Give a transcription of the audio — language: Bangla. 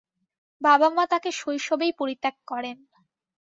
বাবা-মা তাঁকে শৈশবেই পরিত্যাগ করেন।